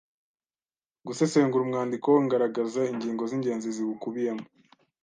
Gusesengura umwandiko ngaragaza ingingo z’ingenzi ziwukubiyemo